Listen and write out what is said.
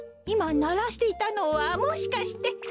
いまならしていたのはもしかして。